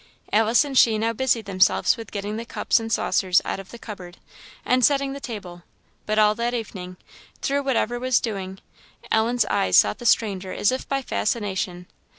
Alice and she now busied themselves with getting the cups and saucers out of the cupboard, and setting the table: but all that evening, through whatever was doing, Ellen's eyes sought the stranger as if by fascination.